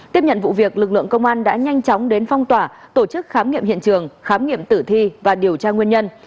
tiếp nhận vụ việc lực lượng công an đã nhanh chóng đến phong tỏa tổ chức khám nghiệm hiện trường khám nghiệm tử thi và điều tra nguyên nhân